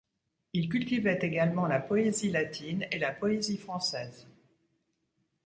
Il cultivait également la poésie latine et la poésie française.